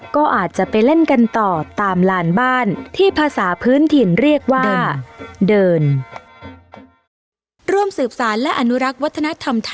ก็อาจจะไปเล่นกันต่อตามลานบ้านที่ภาษาพื้นถิ่นเรียกว่าเดิน